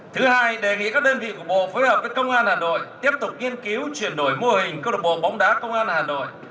thứ hai đề nghị các đơn vị của bộ phối hợp với công an hà nội tiếp tục nghiên cứu chuyển đổi mô hình câu lạc bộ bóng đá công an hà nội